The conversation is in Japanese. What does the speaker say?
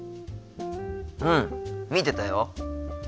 うん見てたよ。